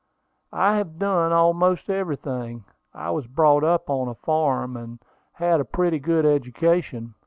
"I have done almost everything. I was brought up on a farm, and had a pretty good education.